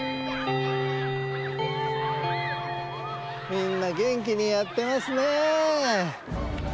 みんなげんきにやってますね。